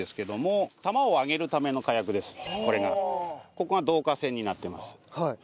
ここが導火線になってます。